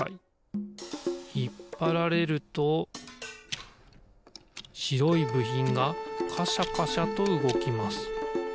ひっぱられるとしろいぶひんがカシャカシャとうごきます。